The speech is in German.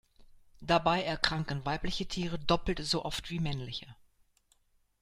Dabei erkranken weibliche Tiere doppelt so oft wie männliche.